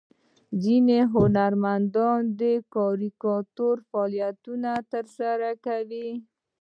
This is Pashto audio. ځینې هنرمندان د کاریکاتور فعالیت ترسره کوي.